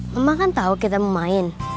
mama kan tahu kita mau main